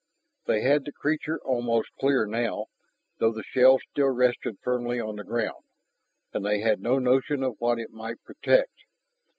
They had the creature almost clear now, though the shell still rested firmly on the ground, and they had no notion of what it might protect.